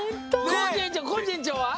コージえんちょうコージえんちょうは？